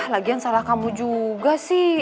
lagian salah kamu juga sih